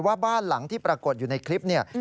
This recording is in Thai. บ้านหลังที่ปรากฏอยู่ในคลิปเนี่ย